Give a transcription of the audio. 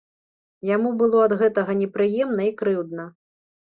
Яму было ад гэтага непрыемна і крыўдна.